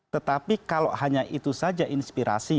tetapi kalau hanya itu saja inspirasi